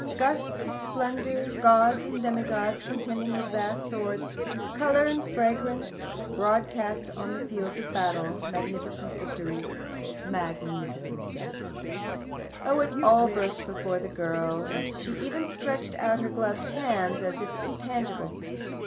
Gusts of splendour, gods and demigods contending with vast swords, colour and fragrance broadcast on the field of battle, magnificent victory, magnificent death! Oh, it all burst before the girl, and she even stretched out her gloved hands as if it was tangible.